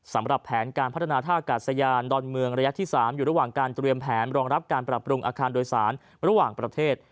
สำหรับแผนการพัฒนาท่ากาศยานดอนเมืองระยะที่๓อยู่ระหว่างการเตรียมแผนรองรับการปรับปรุงอาคารโดยสารระหว่างประเทศ